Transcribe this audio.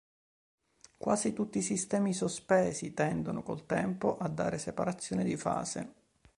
Quasi tutti i sistemi sospesi tendono, col tempo, a dare separazione di fase.